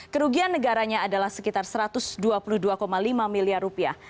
kerugian negaranya adalah sekitar satu ratus dua puluh dua lima miliar rupiah